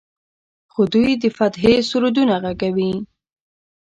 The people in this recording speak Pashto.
خو دوی د فتحې سرودونه غږوي.